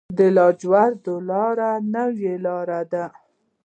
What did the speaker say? د لاجوردو لاره نوې لاره ده